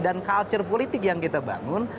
dan culture politik yang kita bangun